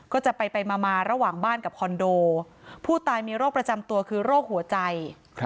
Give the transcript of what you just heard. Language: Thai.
ก็จะไปมาระหว่างบ้านกับคอนโดผู้ตายมีโรคประจำตัวคือโรคหัวใจ